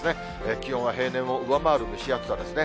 気温は平年を上回る蒸し暑さですね。